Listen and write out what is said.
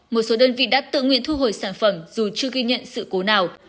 một số đơn vị đã tự nguyện thu hồi sản phẩm dù chưa ghi nhận sự cố nào